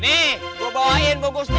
nih gue bawain bungkusnya